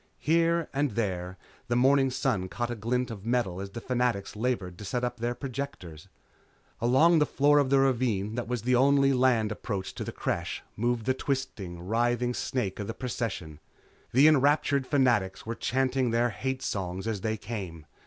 Here and there the morning sun caught a glint of metal as the Fanatics labored to set up their projectors. Along the floor of the ravine that was the only land approach to the Creche moved the twisting, writhing snake of the procession. The enraptured Fanatics were chanting their hate songs as they came.